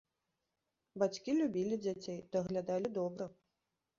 Бацькі любілі дзяцей, даглядалі добра.